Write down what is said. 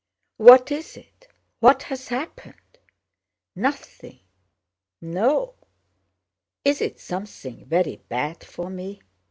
"What is it? What has happened?" "Nothing... No..." "Is it something very bad for me?